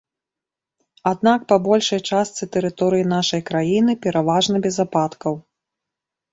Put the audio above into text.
Аднак па большай частцы тэрыторыі нашай краіны пераважна без ападкаў.